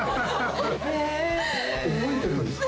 覚えてるんですか？